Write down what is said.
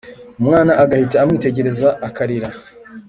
umwana agahita amwitegereza akarira